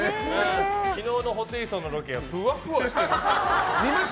昨日のホテイソンのロケはふわふわしてました。